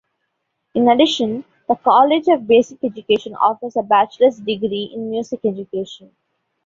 In addition, the College of Basic Education offers a bachelor's degree in music education.